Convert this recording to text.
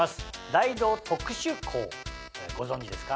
大同特殊鋼ご存じですか？